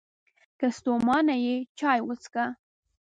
که ستومانه یې، چای وڅښه!